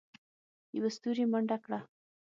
یوه ستوري منډه کړه.